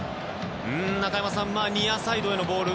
中山さん、ニアサイドへのボール